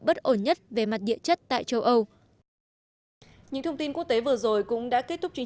bất ổn nhất về mặt địa chất tại châu âu